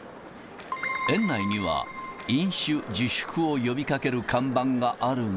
園内には、飲酒自粛を呼びかける看板があるが。